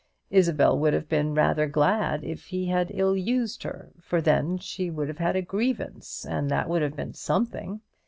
Isabel would have been rather glad if he had ill used her; for then she would have had a grievance, and that would have been something.